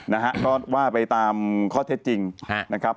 นะฮะก็ว่าไปตามข้อเท็จจริงนะครับ